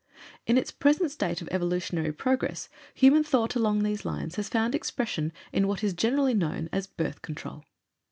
In its present state of evolutionary progress human thought along these lines has found expression in what is generally known as "Birth Control."